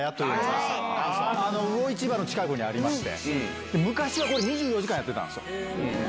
魚市場の近くにありまして昔は２４時間やってたんすよ。